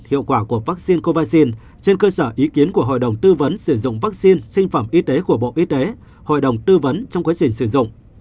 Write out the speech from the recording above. hiệu quả của vaccine covid trên cơ sở ý kiến của hội đồng tư vấn sử dụng vaccine sinh phẩm y tế của bộ y tế hội đồng tư vấn trong quá trình sử dụng